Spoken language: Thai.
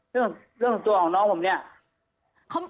คุณเอกวีสนิทกับเจ้าแม็กซ์แค่ไหนคะ